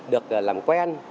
được làm quen